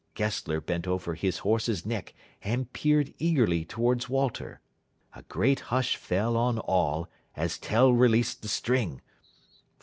Gessler bent over his horse's neck and peered eagerly towards Walter. A great hush fell on all as Tell released the string.